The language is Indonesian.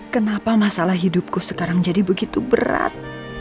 kenapa masalah hidupku sekarang jadi begitu berat